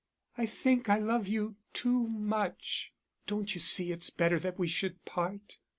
"I think I love you too much. Don't you see it's better that we should part?"